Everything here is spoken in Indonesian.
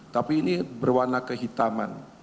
tapi ini berwarna kehitaman